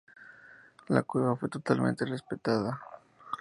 La cueva fue totalmente respetada.